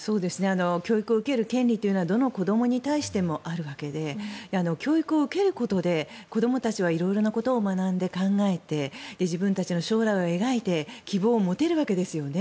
教育を受ける権利はどの子どもに対してもあるわけで教育を受けることで子どもたちは色々なことを学んで、考えて自分たちの将来を描いて希望を持てるわけですよね。